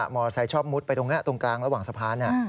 อเซชอบมุดไปตรงนี้ตรงกลางระหว่างสะพาน